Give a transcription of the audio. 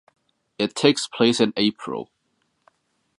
It takes place in April.